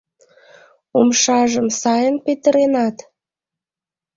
— Умшажым сайын петыренат?